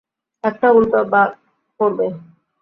একটা উল্টো বাঁক পড়বে।